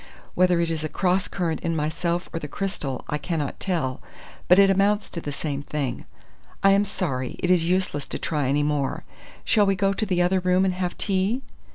Whether it is a cross current in myself or the crystal, I cannot tell; but it amounts to the same thing. I am sorry! It is useless to try any more. Shall we go to the other room and have tea?"